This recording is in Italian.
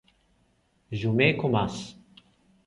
Jaume Comas